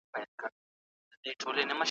په دې شعر کې متروکې کلمې لیدل کېږي.